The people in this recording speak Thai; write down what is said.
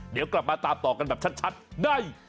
เดี๋ยวกลับมาตามต่อกันแบบชัดได้